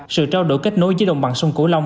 sự trao đổi kết nối với đồng bằng sông cổ lông